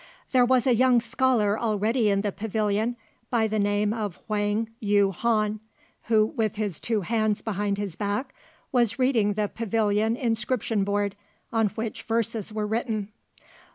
There was a young scholar already in the pavilion by the name of Whang Eui hon, who with his two hands behind his back was reading the pavilion inscription board, on which verses were written.